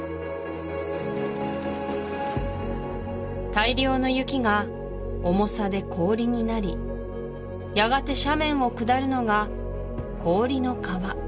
大量の雪が重さで氷になりやがて斜面を下るのが氷の河